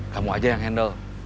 kamu aja yang handle